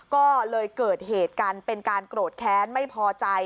ก็เลยเกิดเหตุกันเป็นการโกรธแค้นไม่พอใจ